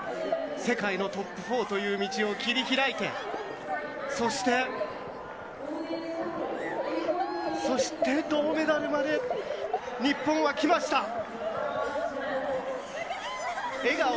世界のトップ４という道を切り開いて、そして、そして銅メダルまで日本はきました。